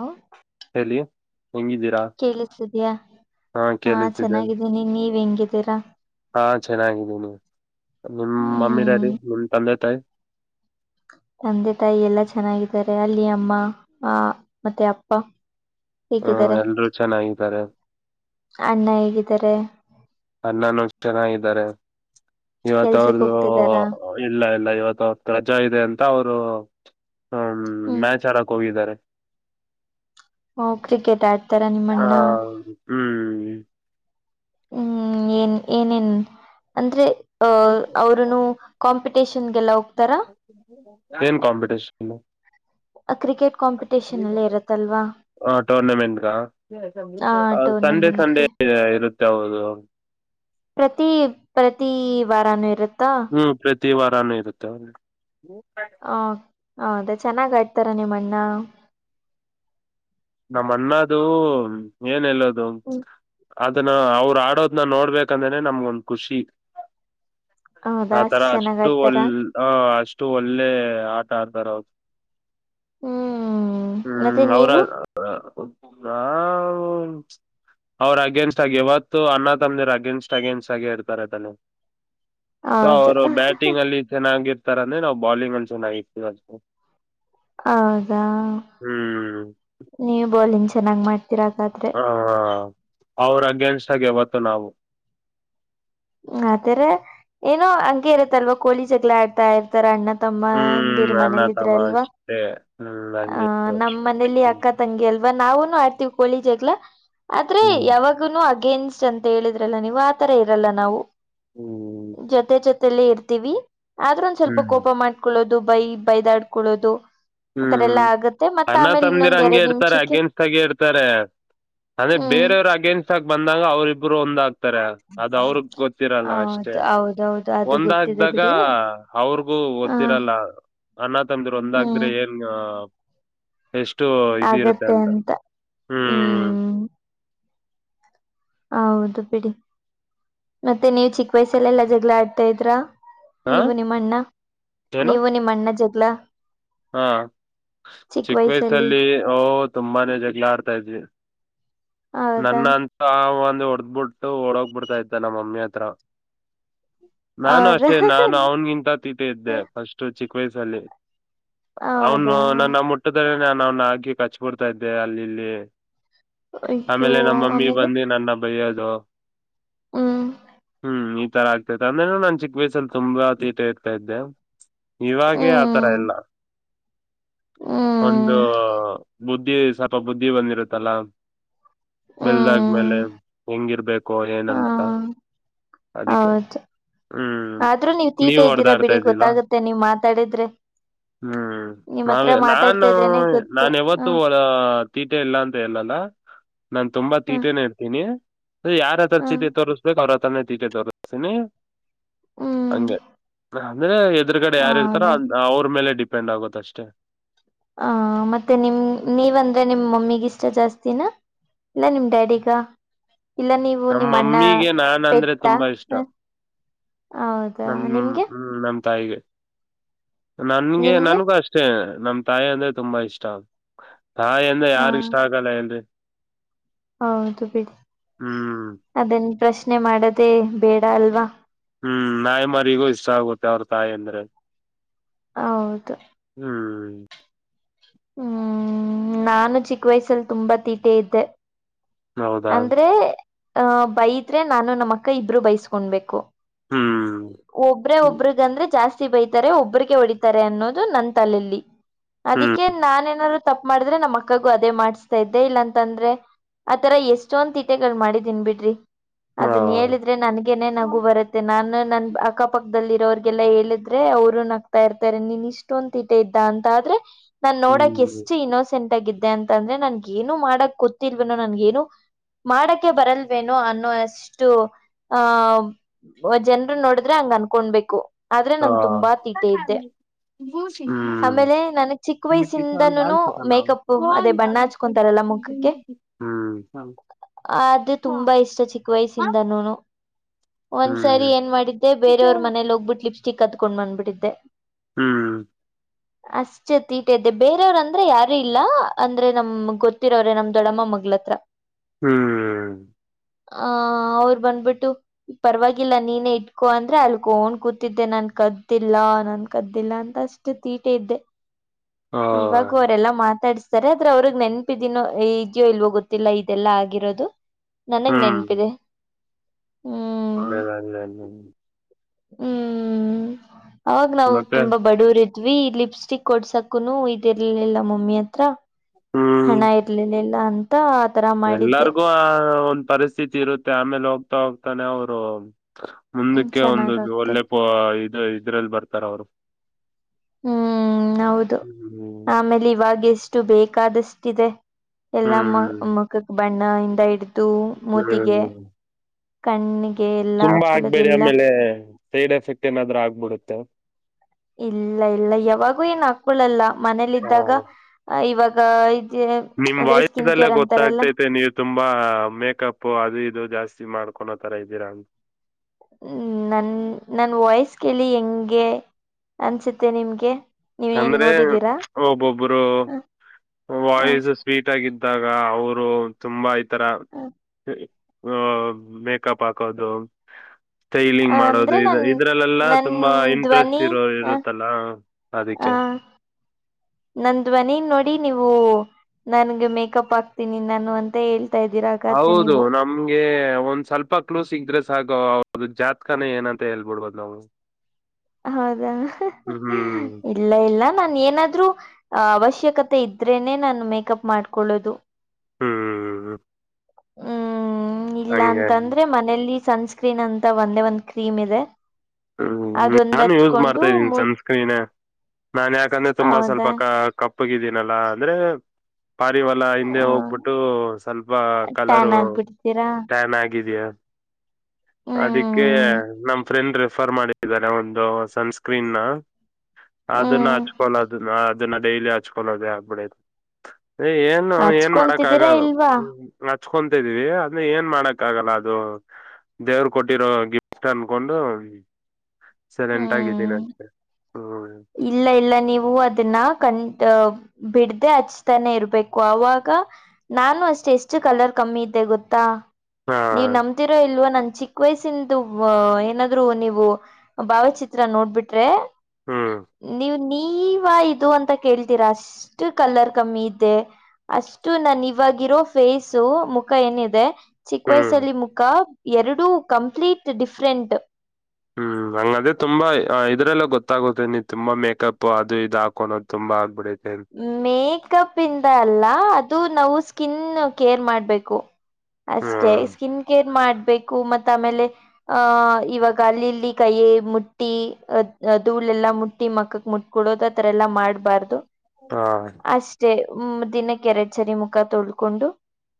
Hello ಹೆಂಗಿದ್ದೀರಾ. ಕೇಳಿಸಿದ್ಯಾ ಹಾ ಚೆನ್ನಾಗಿದ್ದೀನಿ ನೀವ್ ಹೆಂಗಿದ್ದೀರಾ. ಹಾ ಚೆನ್ನಾಗಿದ್ದೀನಿ ನಿಮ ಮಮ್ಮಿ ಹ್ಮ್ ಡ್ಯಾಡಿ ನಿಮ್ ತಂದೆ ತಾಯಿ. ತಂದೆ ತಾಯಿ ಎಲ್ಲಾ ಚೆನ್ನಾಗಿದ್ದಾರೆ ಅಲ್ಲಿ ಅಮ್ಮ ಆ ಮತ್ತೆ ಅಪ್ಪ. ಹ್ಮ ಹೇಗಿದ್ದಾರೆ ಎಲ್ರೂ ಚೆನ್ನಾಗಿದ್ದಾರೆ. ಅಣ್ಣ ಹೇಗಿದ್ದಾರೆ. ಅಣ್ಣನು ಚೆನ್ನಾಗಿಯಿದರೆ ಇವತ್ತ ಕೆಲ್ಸಕ್ ಅವ್ರ್ದ. ಹೋಗ್ತಿದಾರಾ ಇಲ್ಲ ಇಲ್ಲ ಇವತ್ ಅವರ್ದು ರಜಾ ಇದೆ ಅಂತ ಅವ್ರು ಹ್ಮ್ ಮ್ಯಾಚ್ ಆಡೋಕೆ ಹೋಗಿದಾರೆ. ಓ ಕ್ರಿಕೆಟ್ ಆಡ್ತಾರ ಆ, ನಿಮ್ಮಣ್ಣ. ಹ್ಮ್ ಹ್ಮ್ ಏನ್ ಏನೇನ್ ಅಂದ್ರೆ ಹಾ ಅವ್ರನು. ಕಂಪ್ಲೀಟೇಷನ್ಗೆಲ್ಲ ಏನ್ ಕಂಪ್ಲೀಟೇಷನ್. ಕ್ರಿಕೆಟ್ ಕಾಂಪಿಟೇಷನ್ ಎಲ್ಲ ಇರತ್ತಲ್ವಾ. ಹ ಟೂರ್ನಮೆಂಟ್ಗ ಆ ಸಂಡೇ ಸಂಡೇ ಟೂರ್ನಮೆಂಟ್ಗೆ ಇರುತ್ತೆ ಹೌದು. ಪ್ರತಿ ಪ್ರತಿ ವಾರಾನೂ ಇರುತ್ತಾ. ಹ್ಮ ಪ್ರತಿವಾರಾನು ಇರುತ್ತೆ. ಹಾ ಹೌದ ಚೆನ್ನಾಗಗಿ ಆಡ್ತಾರಾ ನಿಮ್ಮಣ್ಣ. ನಮ್ಮ ಅಣ್ಣದು ಏನ್ ಹೇಳೋದು. ಹ್ಮ್. ಅದನ್ನ ಅವ್ರು ಆಡೋದನ ನೋಡ್ಬೇಕಂದ್ರೇನೆ ನಮ್ಗ ಒಂದ್ ಖುಷಿ. ಹೌದಾ ಆತರ ಅಷ್ಟ್ ಚೆನ್ನಾಗ್ ಅಷ್ಟು ಆಡ್ತಾರ ಒಳ್ಳ ಅಷ್ಟು ಒಳ್ಳೆ ಆಟ ಆಡ್ತಾರ ಅವದು. ಹ್ಮ್ ಮತ್ತೆ ಹ್ಮ್ ಅವರ ನೀವು ನಾವು ಅವ್ರ ಅಗೇನ್ಸ್ಟ್ ಆಗಿ ಇವತ್ತು ಅಣ್ಣತಮ್ಮಂದಿರು ಅಗೇನ್ಸ್ಟ್ ಅಗೇಸ್ಟ್ ಆಗಿ ಇರ್ತಾರೆ. ಹಾ ಹೌದು ಅವರು ಬ್ಯಾಟಿಂಗ್ ಅಲ್ಲಿ ಚೆನ್ನಾಗಿ ಇರ್ತಾರೆ ಅಂದ್ರೆ ನಾವು ಬಾಲಂಗಿ ಅಲ್ಲಿ ಹೌದಾ ಹ್ಮ್ ನೀವ್ ಬೌಲಿಂಗ್ ಚೆನ್ನಾಗ್ ಮಾಡ್ತೀರ ಆಗದ್ರೆ. ಹ ಅವ್ರ ಅಗೇನ್ಸ್ಟ್ ಹಾಗಿ ಯಾವತ್ತು ನಾವು. ಅತರ ಏನೋ ಹಂಗೆ ಇರತ್ತಲ್ವ ಕೋಳಿ ಜಗಳ ಆಡ್ತಾ. ಅಣ್ಣ ಹ್ಮ್ ತಮ್ಮಂದಿರ್ ಅಣ್ಣ ಮನೇಲಿ ಇದ್ರ ತಮ್ಮ ಅಲ್ವಾ ಅಷ್ಟೇ ಹ್ಮ್ ಹಂಗೆ ಆಹ ನಮ್ಮ್ ಮನೇಲಿ ಹ್ಮ್ ಅಕ್ಕ. ತಂಗೆ ಅಲ್ವಾ ನಾವುನು ಆಡ್ತೀವಿ ಕೋಳಿಜಗಳ ಆದ್ರೆ ಹ್ಮ್ ಯಾವಾಗ ಅಗೇನ್ಸ್ಟ್ ಅಂತ ಹೇಳಿದ್ರಲ್ಲ ನೀವು ಆತರ ಇರಲ್ಲ ನಾವು ಹ್ಮ್ ಜೊತೆ ಜೊತೆ ಇರ್ತೀವಿ ಆದ್ರ ಒಂದ್ ಸ್ವಲ್ಪ ಹ್ಮ್ ಕೋಪ ಮಾಡ್ಕೊಳ್ಳೋದು ಬೈ ಬೈದಾಡ್ಕೊಳ್ಳೋದು. ಆತರ ಹ್ಮ್ ಎಲ್ಲಾ ಆಗತ್ತೆ ಮತ್ತ ಅಣ್ಣ ಆಮೇಲೆ ತಮ್ಮಂದಿರು ಇನ್ನೊಂದ್ ಹಂಗೆ ಎರಡ್ ಇರ್ತಾರೆ ನಿಮಿಷಕ್ಕೆ ಅಗೇನ್ಸ್ಟ್ ಆಗಿ ಇರ್ತಾರೆ. ಅದೇ ಹ್ಮ್ ಬೇರೆಯವ್ರ ಅಗೇನ್ಸ್ಟ್ ಆಗಿ ಬಂದಾಗ ಅವ್ರರಿಬ್ರು ಒಂದಗ್ತಾರೆ. ತಾರೇ ಅದು ಅವ್ರಗ್ ಗೊತ್ತಿರಲ್ಲ ಅಷ್ಟೇ ಹೌದು ಹೌದೌದು ಅದು ಗೊತ್ತಿದೆ ಒಂದಕ್ದಾಗ ಬಿಡಿ ಅವ್ರಿಗೂ ಹ ಗೊತಿರಲ್ಲ. ಅಣ್ಣ ತಮ್ಮಂದಿರು ಹ್ಮ್ ಒಂದಾದ್ರೆ. ಏನ್ ಎಷ್ಟು ಇದು ಇರುತ್ತೆ ಅಂತ ಹ್ಮ್. ಹೌದು ಬಿಡಿ ಮತ್ತೆ ನೀವು ಚಿಕ್ಕ ವಯಸ್ಸಲ್ಲೆಲ್ಲಾ ಜಗಳ ಆಡ್ತಾ ಇದ್ರಾ. ಹ ನೀವು ನಿಮ್ಮ ಅಣ್ಣ ಏನು ನೀವು ನಿಮ್ಮ ಅಣ್ಣ ಜಗ್ಲ. ಹಾ ಚಿಕ್ಕ ವಯಸ್ಸಲ್ಲಿ ಓ ತುಂಬಾನೇ ಜಗಳ ಆಡ್ತಾ ಇದ್ವಿ. ಹೌದಾ ನನ್ನ ಅಂತ. ಒಂದ್ ಹೊಡೆದ್ಬಿಟ್ಟು ಓಡೋಗ್ಬಿಡ್ತಾ ಇದ್ದ ನಮ್ಮ ಮಮ್ಮಿ ಹತ್ರ. ನಾನು ಹೌದಾ ಅಷ್ಟೇ ನಾನು ಅವನ್ಗಿಂತ ತಿಟ್ಟೆ ಇದ್ದೆ ಫಸ್ಟ್ ಚಿಕ್ಕ ವಯಸ್ಸಲ್ಲಿ. ಅವನು ಹೌದಾ ನನ್ನ ಮುಟ್ಟದಲ್ಲಿ ನಾನು ಅವ್ನು ಹಾಕಿ ಕಚ್ಬಿಡ್ತಾ ಇದ್ದೆ ಅಲ್ಲಿ ಇಲ್ಲಿ. ಅಯ್ಯೋ ಆಮೇಲೆ ನಮ್ಮಮ್ಮಿ ಆಮೇಲೆ ಬಂದಿ ನನ್ನ. ಬೈಯೋದು ಹ್ಮ್ ಹ್ಮ್ ಈತರ ಅಂದ್ರೇನ ನಾನ್ ಚಿಕ್ಕ ವಯಸ್ಸಲ್ಲಿ ತುಂಬಾ ತೀಟೆ ಇರ್ತಾ ಇದ್ದೆ ಇವಾಗೆ ಆತರ ಹ್ಮ್ ಇಲ್ಲ. ಒಂದು ಹ್ಮ್ ಬುದ್ಧಿ. ಸ್ವಲ್ಫ ಬುದ್ಧಿ ಬಂದಿರುತ್ತಲ್ಲ ಹ್ಮ್ ಬೆಲ್ದಾದ್ಮೇಲೆ ಹೆಂಗಿರ್ಬೇಕೋ ಹ ಏನಂತ. ಹಾ ಅದಕ್ಕೆ ಹೌದು ಹ್ಮ್ ನೀವು ಹೊರ್ದಾಡ್ತಾ ಇದ್ದೀಲ್ಲ. ಮತ್ತೆ ನೀವ್ ಮಾತಾಡಿದ್ರೆ. ಹ್ಮ್ ನಿಮ್ ಹತ್ರ ನಾವೇ ಮಾತಾಡ್ತಾ ನಾನು ಇದ್ರೇನೆ ಗೊತ್ತು ನಾನು ಹ ಯಾವತ್ತು. ತೀಟೆ ಇಲ್ಲಾ ಅಂತ ಹೇಳಲ್ಲ ನಾನ್ ತುಂಬಾ ಹ ತೀಟೆನ ಇರ್ತೀನಿ. ಯಾರತರ ಹ ಚೀಟಿ ತೋರ್ಸ್ಬೇಕು ಅವ್ರ ಹತ್ರನೇ ತಿಟ್ಟೆ ತೋರಿಸ್ತೀನಿ ಹ್ಮ್ ಹಂಗೆ. ಅಂದ್ರೆ ಎದುರುಗಡೆ ಯಾರ್ ಇರ್ತಾರೋ ಹೌದಾ ಅ ಅವ್ರ ಮೇಲೆ ಡಿಪೆಂಡ್ ಆಗುತ್ತೆ ಅಷ್ಟೇ. ಹ ಮತ್ತೆ ನಿಮ ನೀವ ಅಂದ್ರೆ ನಿಮ್ ಮಮ್ಮಿಗ ಇಷ್ಟ ಜಾಸ್ತಿನ ಇಲ್ಲ ನಿಮ್ಮ ಡ್ಯಾಡಿಗ ಇಲ್ಲ ನೀವು ನಮ್ ನಿಮ್ಮ ಅಣ್ಣ ಮಮ್ಮಿಗೆ ನಾನ್ ಅಂದ್ರೆ ತುಂಬಾ ಇಷ್ಟ [unintelligible] ಹೌದಾ ನಮ್ ನಿಮ್ಗೆ ಹ್ಮ್ ನಮ್ಮ ತಾಯಿಗೆ ನನ್ಗೆ ನಿಮ್ಗೆ ನನಗೂ ಅಷ್ಟ್ ನಮ್ ತಾಯಿ ಅಂದ್ರೆ ತುಂಬಾ ಇಷ್ಟ ತಾಯಿ ಅಂದ್ರೆ ಹ ಯಾರ್ ಇಷ್ಟ ಆಗಲ್ಲ ಹೇಳ್ರಿ. ಹೌದು ಬಿಡಿ ಹ್ಮ ಅದನ್ ಪ್ರಶ್ನೆ ಮಾಡದೇ ಬೇಡ ಅಲ್ವಾ. ಹ್ಮ್ ನಾಯಿ ಮರಿಗೂ ಇಷ್ಟ ಆಗುತ್ತೆ ಅವ್ರ್ ತಾಯಿ ಅಂದ್ರೆ. ಹೌದು ಹ್ಮ್ ಹ್ಮ್ ನಾನು ಚಿಕ್ಕ್ ವಯಸ್ಸಲ್ಲಿ ತುಂಬಾ ತೀಟೆ ಇದ್ದೆ. ಹೌದಾ ಅಂದ್ರೆ ಹಾ ಬೈದ್ರೆ ನಾನು ನಮ್ಮ ಅಕ್ಕ ಇಬ್ರು ಬೈಸ್ಕೊಂಡಬೇಕು. ಹ್ಮ್ ಒಬ್ರೇ ಒಬ್ರುಗಂದ್ರೆ ಜಾಸ್ ಜಾಸ್ತಿ ಬೈತಾರೆ ಒಬ್ಬರಿಗೆ ಹೊಡಿತಾರೆ ಅನ್ನೋದು ನನ್ನ ತಲೆಲಿ ಹ್ಮ್ ಅದಕ್ಕೆ ನಾನೇನಾರು ತಪ್ಪ ಮಾಡಿದ್ರೆ ನಮ್ಮ ಅಕ್ಕಗೂ ಅದೇ ಮಾಡ್ಸ್ತಾಇದ್ದೆ ಇಲ್ಲಾಂತಂದ್ರೆ. ಆತರ ಎಷ್ಟೊಂದ್ ತೀಟೆಗಳು ಮಾಡಿದೀನ್ ಬಿಡ್ರಿ ಹಾ ಅದುನ್ ಹೇಳಿದ್ ನನ್ಗನೆ ನಗು ಬರುತ್ತೆ ನಾನು ನನ್ ಅಕ್ಕಪಕ್ಕದಲ್ಲಿ ಇರೋಗೆಲ್ಲ ಹೇಳಿದ್ರೆ ಅವ್ರು ನಕ್ ಅಂತ ಇರ್ತಾರೆ ನೀನ್ ಇಷ್ಟೊಂದ್ ತೀಟೆ ಇದ್ದ ಅಂತ ಆದ್ರೆ. ನಾನ್ ನೋಡಕ್ ಹ್ಮ್ ಎಷ್ಟು ಇನ್ನೋಸೆಂಟ್ ಆಗಿದ್ದೆ ಅಂತಂದ್ರೆ ನನ್ಗ ಏನು ಮಾಡಕ್ ಗೊತ್ತಿಲ್ವನೋ ನನ್ಗ್ ಏನು ಮಾಡಕ್ಕೆ ಬರಲ್ವೇನೋ ಅನ್ನೋ ಅಷ್ಟು ಆ ಜನ್ರು ನೋಡಿದ್ರೆ ಹಂಗ್ ಅನ್ಕೊಬೇಕು ಆದ್ರೆ ಹಾ ನನ್ ತುಂಬಾ ತೀಟೆ ಇದ್ದೆ. ಹ್ಮ್ ಆಮೇಲೆ ನನಗ್ ಚಿಕ್ಕ ವಯಸ್ಸಿಂದಾನೂನು ಮೇಕಪ್ ಅದೇ ಬಣ್ಣಾ ಅಚ್ ಕೊಂತಾರಲ್ಲ ಮುಖಕ್ಕೆ. ಆದು ತುಂಬಾ ಇಷ್ಟ ಚಿಕ್ಕ ವಯಸಿಂದನೂನು. ಒಂದ್ಸರಿ ಏನ್ ಮಾಡಿದ್ದೆ ಬೇರೆಯವ್ರ ಮನೇಲಿ ಹೋಗ್ಬಿಟ್ಟು ಲಿಪ್ಸ್ಟಿಕ್ ಕದ್ಕೊಂಡು ಬಂದ್ಬಿಟ್ಟಿದ್ದೆ. ಹ್ಮ್ ಅಷ್ಟೇ ತೀಟೆ ಇದ್ದೆ ಬೇರೆಯವ್ರ ಅಂದ್ರೆ ಯಾರು ಇಲ್ಲ ಅಂದ್ರೆ ನಮ್ ಗೊತ್ತಿರೋರೆ ನಮ್ ದೊಡ್ಡಮ್ಮ ಮಗ್ಲೆ. ತ್ರ ಹ್ಮ್ ಆ ಅವರು ಬಂದ್ಬಿಟ್ಟು. ಪರವಾಗಿಲ್ಲ ನೀನೇ ಇಟ್ಕೊ ಅಂದ್ರೆ ಅಳ್ಕೊಂಡ್ ಕೂತಿದ್ದೆ ನಾನ್ ಕದ್ದಿಲ್ಲ ನಾನ್ ಕದ್ದಿಲ್ಲ ಅಂತ ಅಷ್ ಅಷ್ಟ್ ತೀಟೆ ಇದ್ದೆ. [inaudible] ಓಯ್, ಇವಾಗು ಅವ್ರೆಲ್ಲಾ ಮಾತಾಡ್ಸ್ತಾರೆ ಆದ್ರೆ ಅವ್ರಗ್ ನೆನ್ಪಿದೀನೋ ಇದ್ಯೋ ಇಲ್ವೋ ಗೊತ್ ತ್ತಿಲ್ಲ ಇದೆಲ್ಲಾ ಆಗಿರೋದು ನನಗ್ ಹ್ಮ್ ನೆನ್ಪಿದೆ. ಹ್ಮ್ ಒಳ್ಳೆದಾಗ್ಲಿ ಎಲ್ಲಾರ್ಗು ಹ್ಮ್ ಅವಾಗ್ಲು ಅವ್ರ್ ಮತ್ತೆ ತುಂಬಾ ಬಡೂವ್ರಿದ್ವಿ ಲಿಪ್ಸ್ಟಿಕ್ ಕೊಡ್ಸಕುನು ಇದಿರ್ಲಿಲ್ಲ ಮಮ್ಮಿ ಹತ್ರ. ಹಣ ಇರ್ಲಿಲ್ಲಿಲ್ಲಾ ಅಂತ್ ಎಲ್ಲರಿಗೂ ಆ ಒಂದ್ ಪರಿಸ್ಥಿತಿ ಇರುತ್ತೆ ಆಮೇಲೆ ಹೋಗ್ತಾ ಹೋಗ್ತಾನೆ ಅವರು. ಹ್ಮ ಮುಂದಕ್ಕೆ ಒಂದು ಚೆನ್ನಾಗ್ ಆಗ್ತದೆ ಒಳ್ಳೆ ಪೊ ಇದು ಇದ್ರಲ್ಲಿ ಬರ್ತಾರ ಅವ್ರು. ಹ್ಮ್ ಹೌದು ಹ್ಮ್ ಆಮೇಲೆ ಇವಾಗ ಎಷ್ಟು ಬೇಕಾದಷ್ಟಿದೆ. ಎಲ್ಲಾ ಮ ಹ್ಮ್ ಮಖಕ್ ಬಣ್ಣ ಇಂದ ಇಡ್ದು. ಹ್ಮ್ ಹ್ಮ್ ಕಣ್ಣಿಗೆಲ್ಲ ತುಂಬಾ ಆಕ್ಬೆಡಿ ಆಮೇಲೆ ಸೈಡ್ ಎಫೆಕ್ಟ್ ಏನಾದ್ರು ಆಗ್ಬಿಡುತ್ತೆ. ಇಲ್ಲ ಇಲ್ಲ ಯಾವಾಗೂ ಏನ್ ಹಾಕ್ಕೊಳಲ್ಲ. ಮನೇಲಿ ಆ, ಇದ್ದಾಗ ಇವಾಗ ನಿಮ್ ಅಂದ್ರೆ ಸ್ಕಿನ್ ವಾಯಸ್ಸಲ್ಲೇ ಕೇರ್ ಅಂತಾರಲ್ಲ ಗೊತ್ತಾಗ್ತೈತೆ ನೀವ ತುಂಬಾ ಮೇಕಪ್ ಅದು ಇದು ಜಾಸ್ತಿ ಮಾಡ್ಕೋಡೋ ತರ ಇದ್ದೀರಾ ಹ್ಮ್ ನನ್ ನನ್ ವಾಯ್ಸ್ ಕೇಳಿ ಹೆಂಗೆ ಅನ್ಸುತ್ತೆ ನಿಮ್ಗೆ. ನೀವೇನ್ ಅಂದ್ರೆ ನೋಡಿದೀರಾ ಒಬ್ಬೊಬ್ಬರು ವಾಯ್ಸ್ ಸ್ವೀಟ್ ಆಗಿದ್ದಾಗ ಅವರು ತುಂಬ ತರ ಹೊ ಮೇಕಪ್ ಹಾಕೋದು. ಸ್ಟೈಲಿಂಗ್ ಮಾಡೋದು ಅಂದ್ರೆ ಇದು ನನ್ ಇದ್ರಲ್ಲೆಲ್ಲಾ ನನ್ ತುಂಬಾ ಇಂಟ್ರೆಸ್ಟ್ ಧ್ವನಿ ಇರೋ ಆ ಇರುತ್ತಲ್ಲ. ಆ ಅದಿಕ್ಕೆ. ನನ್ ಧ್ವನಿ ನೋಡಿ ನೀವು ನನ್ಗೆ ಮೇಕಪ್ ಆಕ್ತೀನಿ ನಾನು ಅಂತ ಹೇಳ್ ಹೌದು ನಾ ನಮ್ಗೆ ಒಂದ್ ಸ್ವಲ್ಪ ಕ್ಲ್ಯೂ ಸಿಕ್ದ್ರೆ ಸಾಕ ಅವ್ರ ಜಾತ್ಕನೆ ಏನಂತ ಹೇಳ್ಬಿಡ್ಬೋದು ನಾವು. [inaudible] ಹೌದಾ ಹ್ಮ್ [unintelligible] ಇಲ್ಲ ಇಲ್ಲ ನಾನು ಏನಾದ್ರೂ ಅವಶ್ಯಕತೆ ಇದ್ರೇನೆ ನಾನು ಮೇಕಪ್ ಮಾಡ್ಕೊಳ್ಳೋದು. ಹ್ಮ್. ಹ್ಮ್ ಇಲ್ಲ ಹಂಗೆ ಅಂತಂದ್ರೆ ಮನೇಲಿ ಸನ್ಸ್ಕ್ರೀನ್ ಅಂತ ಒಂದೇ ಒಂದ್ ಕ್ರೀಮ್ ಇದೆ. ಹ್ಮ್ ಅದೊಂದ್ ನಾನು ಯೂಸ್ ಹಚ್ಕೊಂಡು ಮಾಡ್ತಾ ಇದ್ದೀನಿ ಮು ಸನ್ಸ್ಕ್ರೀನೆ. ನಾನ್ ಯಾಕಂದ್ರೆ ತುಂಬಾ ಸ್ವಲ್ಪ ಹೌದಾ ಕ ಕಪ್ಪಗಿದ್ದೀನಲ್ಲ ಅಂದ್ರೆ ಪಾರಿವಲ್ಲಾ ಹಿಂದೆ ಹ ಹೋಗ್ಬಿಟ್ಟು ಸ್ವಲ್ಪ ಕಲರು ಟ್ಯಾನ್ ಆಗ್ಬಿಡ್ತೀರಾ ಟ್ಯಾನ್ ಆಗಿದಯ ಅದಕ್ಕೆ ಹ್ಮ್ ನಮ್ ಫ್ರೆಂಡ ರೆ ಫರ್ ಮಾಡ್ತಿದ್ದಾನೆ ಅವ್ನುದು ಸನ್ಸ್ಕ್ರೀನ್ ನ ಅದನ್ನ ಹ್ಮ್ ಹಚ್ಕೊನೋದುನಾ ಅದನ್ನ ಡೈಲಿ ಹಚ್ಕೊಳ್ಳೋದೇ ಆಗ್ಬಿಡೈತೆ ಏ ಏನೋ ಏನ್ ಮಾಡಕ್ ಹಚ್ಕೊಂತಿದ್ದೀರಾ ಆಗದು. ಇಲ್ವಾ ಹಚ್ಕೊಂತಿದೀವಿ ಅದನ್ನೆ ಏನ್ ಮಾಡಕ್ಕ ಆಗಲ್ಲ ಅದು ದೇವರು ಕೊಟ್ಟಿರೋ ಗಿಫ್ಟ್ ಅನ್ಕೊಂಡು ಸೈಲೆಂಟ್ ಆಗಿದ್ದೀನ ಹ್ಮ್ ಅಷ್ಟೇ. ಹ್ಮ. ಇಲ್ಲ ಇಲ್ಲ ನೀವು ಅದನ್ನ ಕಂಟ್ ಬಿಡ್ದೇ ಹಚ್ತಾನೆ ಇರ್ಬೇಕು ಅವಾಗ ನಾನು ಅಷ್ಟೆ ಎಷ್ಟು ಕಲರ್ ಕಮ್ಮಿ ಇದ್ದೆ ಗೊತ್ತಾ. ಹಾ ನೀವ್ ನಮ ಬ್ತೀರಾ ಇಲ್ವಾ ನನ್ ಚಿಕ್ಕ ವಯಸ್ಸಿಂದು ಏನಾದ್ರು ನೀವು ಭಾವಚಿತ್ರ ನೋಡ್ಬಿಟ್ರೆ ಹ್ಮ್ ನೀವ್ ನೀವ ಇದು ಅಂತ ಕೇಳ್ತೀರಾ ಅಷ್ಟು ಕಲರ್ ಕಮ್ಮಿ ಇದ್ದೆ. ಅಷ್ಟು ನನ್ ಇವಾಗಿರೋ ಫೇಸು ಮುಖ ಏನಿದೆ ಚಿಕ್ಕ ಹ್ಮ್ ವಯಸ್ಸಲ್ಲಿ ಮುಖ ಎರಡು ಕಂಪ್ಲೀಟ್ ಡಿಫ್ರೆಂಟ್. ಹ್ಮ್ ಹಂಗದೇ ತುಂಬಾ ಇದ್ರಲ್ಲ ಗೊತ್ತಾಗುತ್ತೆ ನೀ ತುಂಬಾ ಮೇಕಪ್ ಅದು ಇದು ಹಾಕೋಣೋದು. ತುಂಬಾ ಆಗ್ಬಿಡತೆ ಮೇಕಪ್ ಇಂದ ಅಲ್ಲ ಅದು ನಾವು ಸ್ಕಿನ್ ಕೇರ್ ಮಾಡ್ಬೇಕು. ಅಷ್ಟೇ ಹ್ಮ್ ಸ್ಕಿನ್ ಕೇರ್ ಮಾಡ್ಬೇಕು ಮತ್ತ ಆಮೇಲೆ ಅಹ ಇವಾಗ ಅಲ್ಲಿಲ್ಲಿ ಕೈ ಮುಟ್ಟಿ ಅಹ್ ಧೂಳೆಲ್ಲ ಮುಟ್ಟಿ ಮಕ್ಕಕ್ ಮಕ ಕುಡೋದತ್ರ ಎಲ್ಲಾ ಮಾಡ್ಬಾರ್ದು. ಹಾ. ಅಷ್ಟೇ. ದಿನಕ್ಕ ಎರಡು ಸರಿ ಮುಖ ತೊಳ್ಕೊಂಡು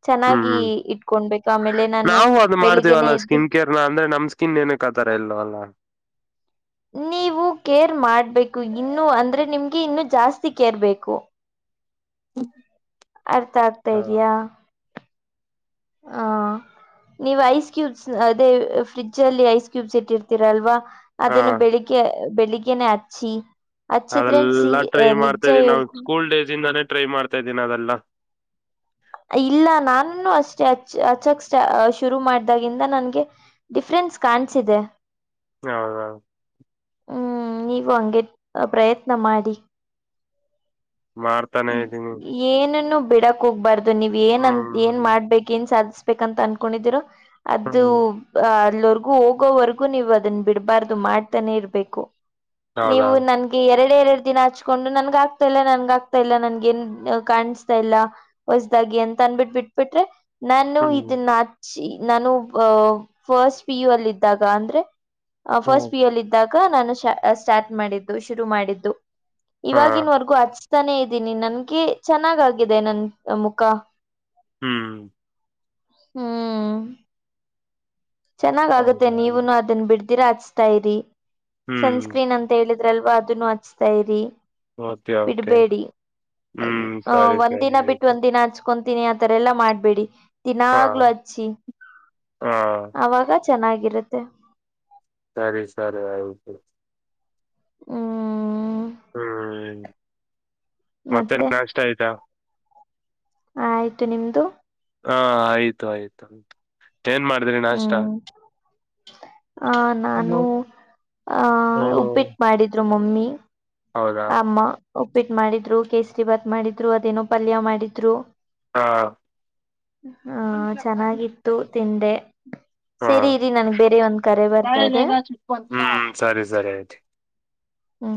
ಚೆನ್ನಾಗಿ ಹ್ಮ್ ಇಟ್ಕೊಂಡ್ಬೇಕು ಆಮೇಲೆ ನಾನು ಬೆಳಿಗ್ಗೆ ನೆ ಎದ್ದಿ ಇಲ್ಲ ಅಂದ್ರೆ ನಮ್ ಸ್ಕಿನ್ ಏನಕ್ ಆತರ ಇಲ್ವಾ ಅಲ್ಲ. ನೀವು ಕೇರ್ ಮಾಡ್ಬೇಕು ಇನ್ನು ಅಂದ್ರೆ ನಿಮ್ಗೆ ಇನ್ನು ಜಾಸ್ತಿ ಕೇರ್ ಬೇಕು. ಅರ್ಥ ಹಾ ಆಗ್ತಾಯಿದೀಯ. [inaudible] ನೀವ ಐಸ್ ಕ್ಯೂಬ್ಸ್ ಅದೇ ಫ್ರಿಡ್ಜ್ ಅಲ್ಲಿ ಐಸ್ ಕ್ಯೂಬ್ಸ್ ಇಟ್ಟಿರ್ತೀರಾಲ್ವಾ. ಹಾ ಅದನ್ನು ಬೆಳಿಗ್ಗೆ ಬೆಳಿಗ್ಗೆನೆ ಹಚ್ಚಿ. ಹಚ್ಚಿದ್ರೆ ಸಿ ಅದೆಲ್ಲಾ ಟ್ರೈ ನಿಜ ಮಾಡ್ತಾ ಇದೀನಿ ನಾ ಹೇಳ್ತೀನಿ ಸ್ಕೂಲ್ ಡೇಸ್ ಇಂದಾನೇ ಟ್ರೈ ಮಾಡ್ತಾ ಇದ್ದೀನಿ ಅವೇಲ್ಲ ಇಲ್ಲ ನಾನು ಅಷ್ಟೇ ಅ ಹಚ್ಚಕ್ ಸ್ಟ ಶುರು ಮಾಡ್ದಾಗಿಂದ ನನ್ಗೆ. ಡಿಫ್ರೆನ್ಸ್ ಕಾಣ್ಸಿದೆ. ಹೌದ. ಹ್ಮ್ ನೀವು ಹಂಗೆ ಪ್ರಯತ್ನ ಮಾಡಿ. ಮಾಡ್ತನೆ ಇದ್ದೀನಿ. ಏನನ್ನು ಬಿಡಕ್ ಹೋಗ್ಬಾರ್ದು ನೀವ್ ಏನ್ನ್ ಏನ್ ಹ್ಮ್ ಮಾಡ್ಬೇಕ ಏನ್ ಸಾಧಿಸ್ಬೇಕಂತ ಅನ್ಕೊಂಡಿದಿರು. ಅದು ಹ್ಮ್ ಅಲ್ಲವರ್ಗೂ ಹೋಗೋವರ್ಗೂ ನೀವು ಅದನ್ನ ಬಿಡ್ಬಾರ್ದು ಮಾಡ್ತಾನೆ ಇರ್. ಬೇಕು ನೀವು ಹೌದಾ ನನ್. ಎರಡೆ ಎರಡು ದಿನ ಹಚ್ಕೊಂಡು ನನ್ಗ ಆಗ್ತಾ ಇಲ್ಲ ನನ್ಗ ಆಗ್ತಾ ಇಲ್ಲ ನನ್ಗ ಏನ್ ಕಾಣಿಸ್ತಾ ಇಲ್ಲ. ಹೊಸ್ದಾಗಿ ಎಂತ ಅನ್ಬಿಟ್ಟ ಬಿಟ್ಬಿಟ್ರೆ. ನಾನು ಹ್ಮ್ ಇದನ್ನಚ್ಚಿ ನಾನು ಫಸ್ಟ್ ಪಿ ಯು ಅಲ್ಲಿ ಇದಿದ್ದಾಗ ಅಂದ್ರೆ. ಫಸ್ಟ್ ಹ್ಮ್ ಪಿಯುಲಿ ಇದ್ದಾಗ ನಾನು ಸ್ಟಾರ್ಟ್ ಮಾಡಿದ್ದು ಶುರು ಮಾಡಿದ್ದು. ಹಾ ಇವಾಗಿವಾಗಿನ್ವರ್ಗೂ ಹಚ್ತಾನೇ ಇದ್ದೀನಿ ನನ್ಗೆ ಚೆನ್ನಾಗಾಗಿದೆ ನನ್ ಮುಖ. ಹ್ಮ್ ಹ್ಮ್ ಚೆನ್ನಾಗ್ ಆಗುತ್ತೆ ಹೌದಾ ನೀವುನು ಅದನ್ನ ಬಿಡ್ದಿರ ಹಚ್ತಾ ಇರಿ ಹ್ಮ್ ಸನ್ಸ್ಕ್ರೀನ್ ಅಂತ. ಅಂತ ಹೇಳಿದ್ರಲ್ವಾ ಅದನ್ನು ಹಚ್ತಾ ಇರಿ. ಓಕೆ ಓಕೆ ಬಿಡ್ಬೇಡಿ ಹ್ಮ್ ಸರಿ ಒಂದ್ ಸರಿ ದಿನ ಬಿಟ್ಟು ಆಯ್ತು ಒಂದ್ ದಿನ ಹಚ್ಕ. ಕೊಂತೀನಿ ಆತರ ಎಲ್ಲಾ ಮಾಡ್ಬೇಡಿ ಹಾ ದಿನಾಗ್ಲುೂ ಹಚ್ಚಿ. ಹಾ ಅವಾಗ ಚೆನ್ನಾಗಿರುತ್ತೆ. ಸರಿ ಸರಿ ಆಯ್ತು. ಹ್ಮ್ ಹ್ಮ್ ಮತ್ತೆ ನಾಷ್ಟ ಆಯ್ತಾ. ಹ ಆಯ್ತು ನಿಮ್ದು. ಹಾ ಆಯ್ತು ಆಯ್ತು ಆಯ್ತ ಏನ್ ಮಾಡಿದ್ರಿ ನಾಷ್ಟ. ಆಹ ಹ್ಮ್ ನಾನು ಆಹ ಉಪಿಟ್ಟ ಮಾಡಿದ್ರು ಮಮ್ಮಿ. ಹೌದಾ ಅಮ್ಮ ಉಪ್ಪಿಟ್ಟ ಮಾಡಿದ್ರು ಕೇಸರಿ ಭಾತ್ ಮಾಡಿದ್ರು ಅದೇನೋ ಪಲ್ಯ ಮಾಡಿದ್ರು. ಹಾಂ ಹಾ ಚೆನ್ನಾಗಿತ್ತು ತಿಂದೆ. ಹಾ ಸರಿ ಇರಿ ಇರಿ ನನ್ಗೆ ಬೇರೆ ಒಂದ್ ಕರೆ ಬರ್ತಾ ಇದೆ. ಹ್ಮ್ ಸರಿ ಸರಿ ಆಯ್ತು ಹ್ಮ